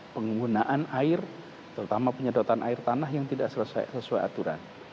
penggunaan air terutama penyedotan air tanah yang tidak sesuai aturan